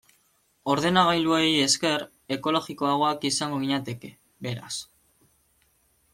Ordenagailuei esker, ekologikoagoak izango ginateke, beraz.